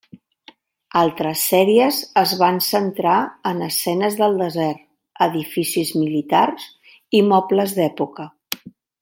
Altres sèries es van centrar en escenes del desert, edificis militars i mobles d'època.